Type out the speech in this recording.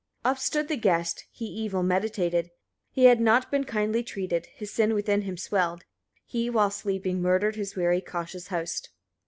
5. Up stood the guest, he evil meditated, he had not been kindly treated; his sin within him swelled, he while sleeping murdered his wary cautious host.